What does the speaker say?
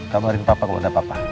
kabarin papa kepada papa